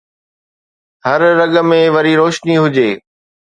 هر رڳ ۾ وري روشني هجي